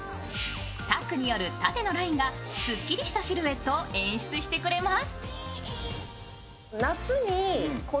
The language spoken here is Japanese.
タックによる縦のラインがすっきりしたシルエットを演出してくれます。